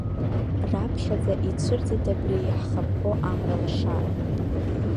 Раԥхьаӡа ицәырҵит абри иаҳхаԥхо амра лашара.